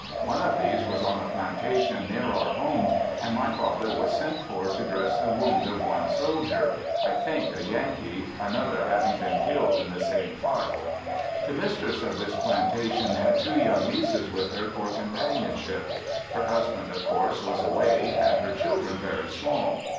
One of these was on a plantation near our home and my father was sent for to dress the wound of one soldier, I think a Yankee, another having been killed in the same fight. The mistress of this plantation had two young nieces with her for companionship. Her husband, of course, was away, and her children very small.